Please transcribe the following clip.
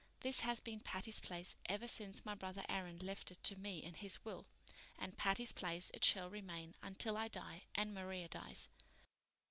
This has been Patty's Place ever since my brother Aaron left it to me in his will, and Patty's Place it shall remain until I die and Maria dies.